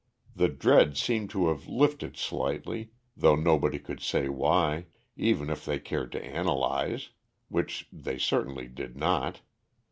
The dread seemed to have lifted slightly, though nobody could say why, even if they cared to analyze, which they certainly did not.